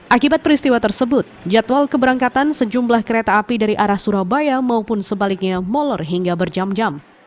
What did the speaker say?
akibat peristiwa tersebut jadwal keberangkatan sejumlah kereta api dari arah surabaya maupun sebaliknya molor hingga berjam jam